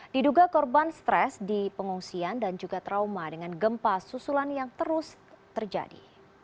diduga korban stres di pengungsian dan juga trauma dengan gempa susulan yang terus terjadi